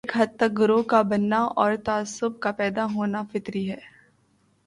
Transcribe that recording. ایک حد تک گروہ کا بننا اور تعصب کا پیدا ہونا فطری ہے۔